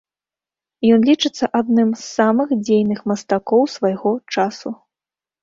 Ён лічыцца адным з самых дзейных мастакоў свайго часу.